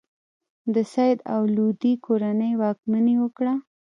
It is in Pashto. د سید او لودي کورنۍ واکمني وکړه.